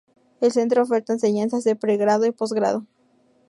El centro oferta enseñanzas de pregrado y posgrado.